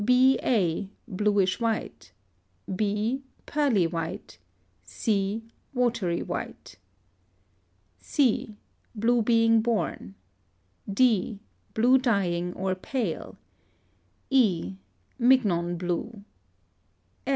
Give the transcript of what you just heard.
B. a. Bluish white. b. Pearly white. c. Watery white. C. Blue being born. D. Blue dying or pale. E. Mignon blue.